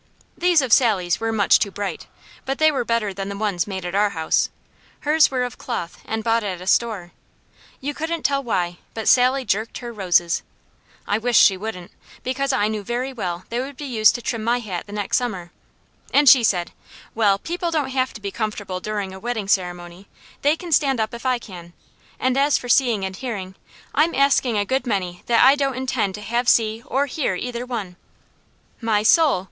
These of Sally's were much too bright, but they were better than the ones made at our house. Hers were of cloth and bought at a store. You couldn't tell why, but Sally jerked her roses; I wished she wouldn't, because I very well knew they would be used to trim my hat the next summer, and she said: "Well, people don't have to be comfortable during a wedding ceremony; they can stand up if I can, and as for seeing and hearing, I'm asking a good many that I don't intend to have see or hear either one!" "My soul!"